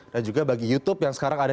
dan juga bagi youtube yang sekarang ada